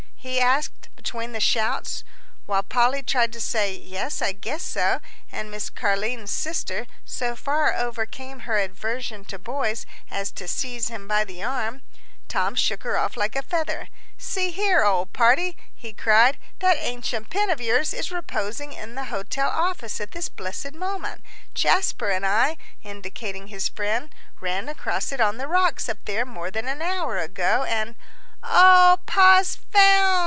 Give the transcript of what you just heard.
he asked between the shouts. While Polly tried to say, "Yes, I guess so," and Miss Car'line's sister so far overcame her aversion to boys as to seize him by the arm, Tom shook her off like a feather. "See here, old party," he cried, "that ancient pin of yours is reposing in the hotel office at this blessed moment. Jasper and I," indicating his friend, "ran across it on the rocks up there more than an hour ago, and " "Oh, Pa's found!"